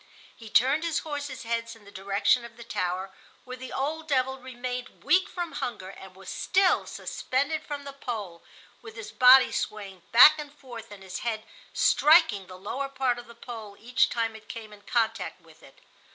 He turned his horses' heads in the direction of the tower, where the old devil remained weak from hunger and was still suspended from the pole, with his body swaying back and forth and his head striking the lower part of the pole each time it came in contact with it.